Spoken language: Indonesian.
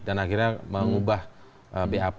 dan akhirnya mengubah bap